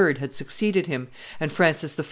had succeeded him; and Francis I.